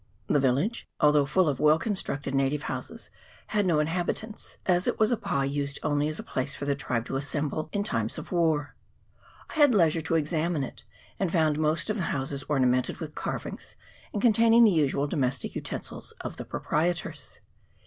The village, although full of well constructed native houses, had no inhabit ants, as it was a pa used only as a place for the tribe to assemble in in times of war. I had leisure to exa mine it, and found most of the houses ornamented with carvings, and containing the usual domestic utensils of the proprietors.